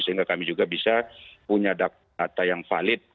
sehingga kami juga bisa punya data yang valid